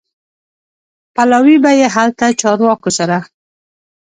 پلاوی به یې هلته چارواکو سره